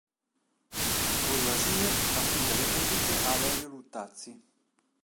Turi Vasile affida le musiche a Lelio Luttazzi.